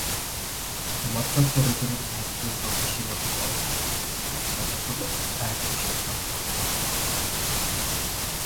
Much of the regular magazine publishing of poetry, in particular, had to shut down.